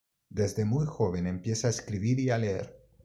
Desde muy joven empieza a escribir y a leer.